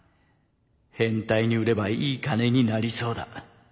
変態に売ればいい金になりそうだ。